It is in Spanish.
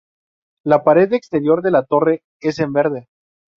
La pared exterior de la torre es en verde.